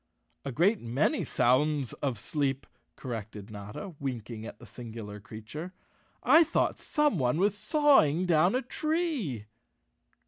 "A great many sounds of sleep," corrected Notta, winking at the singular creature. "I thought someone was sawing down a tree."